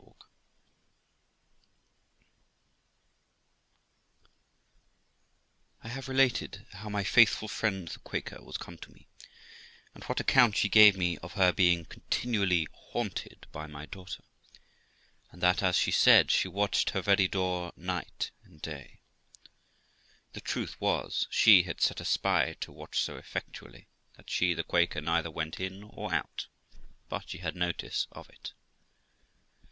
I have related how my faithful friend the Quaker was come to me, and what account she gave me of her being continually haunted by my daughter; and that, as she said, she watched her very door night and day. The THE LIFE OF ROXANA 383 truth was, she had set a spy to watch so effectually, that she (the Quaker) neither went in or out but she had notice of it.